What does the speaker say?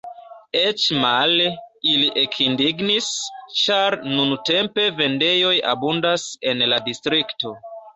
Eĉ male: ili ekindignis, ĉar nuntempe vendejoj abundas en la distrikto.